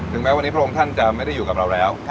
แม้วันนี้พระองค์ท่านจะไม่ได้อยู่กับเราแล้ว